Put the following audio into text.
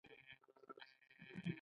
ځکه د طالبانو په پالیسیو کې هیڅ ډول تغیر